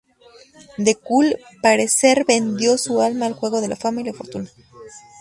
The Cool parecer vendió su alma al juego de la fama y la fortuna.